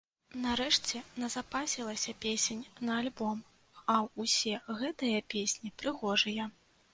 Нарэшце назапасілася песень на альбом, а ўсе гэтыя песні прыгожыя.